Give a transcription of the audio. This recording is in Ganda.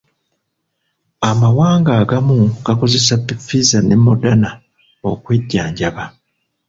Amawanga agamu gakozesa Pfizer ne Modana okwejjanjaba.